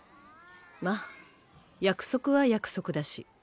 まあ約束は約束だし。